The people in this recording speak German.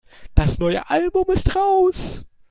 Das neue Album ist raus.